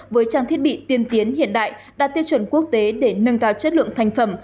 với trang thiết bị tiên tiến hiện đại đạt tiêu chuẩn quốc tế để nâng cao chất lượng thành phẩm